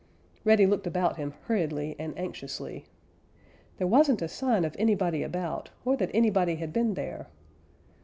Reddy looked about him hurriedly and anxiously. There wasn't a sign of anybody about, or that anybody had been there.